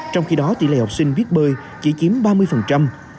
trong khi đó tỷ lệ học sinh biết bơi chỉ chiếm ba mươi